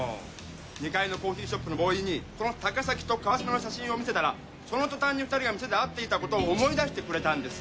２階のコーヒーショップのボーイにこの高崎と川島の写真を見せたらそのとたんに２人が店で会っていたことを思い出してくれたんです。